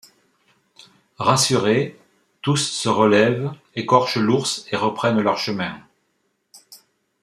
Rassurés, tous se relèvent, écorchent l'ours et reprennent leur chemin.